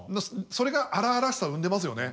それが荒々しさを生んでますよね。